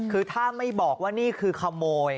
คือถ้าไม่บอกว่านี่คือขโมย